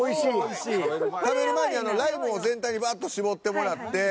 食べる前にライムを全体にバッと搾ってもらって。